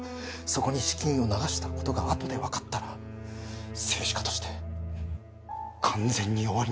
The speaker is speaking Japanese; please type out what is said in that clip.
そこに資金を流した事があとでわかったら政治家として完全に終わります！